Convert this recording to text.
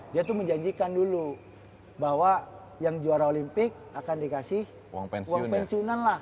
dia tuh menjanjikan dulu bahwa yang juara olimpik akan dikasih uang pensiunan lah